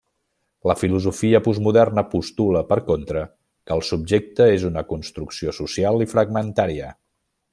La filosofia postmoderna postula, per contra, que el subjecte és una construcció social i fragmentària.